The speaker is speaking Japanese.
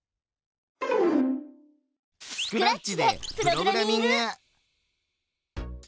スクラッチでプログラミング！